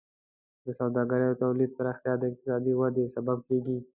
د سوداګرۍ او تولید پراختیا د اقتصادي وده سبب کیږي.